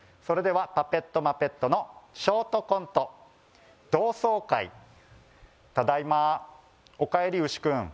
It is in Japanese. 「それではパペットマペットのショートコント」「同窓会」「ただいま」「おかえりウシ君」